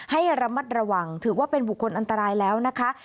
ให้ระมัดระวังถือว่าเป็นบุคคลอันตรายแล้วนะคะ